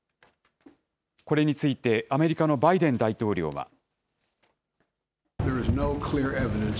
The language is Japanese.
これについてアメリカのバイデン大統領は。